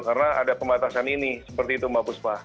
karena ada pembatasan ini seperti itu mbak buspa